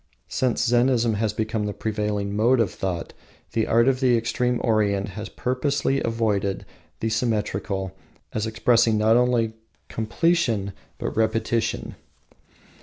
Since Zennism has become the prevailing mode of thought, the art of the extreme Orient has purposefully avoided the symmetrical as expressing not only completion, but repetition.